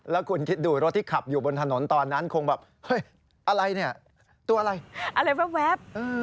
แล้วคุณคิดดูรถที่ขับอยู่บนถนนตอนนั้นคงแบบ